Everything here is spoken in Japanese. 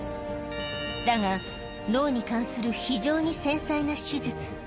だが、脳に関する非常に繊細な手術。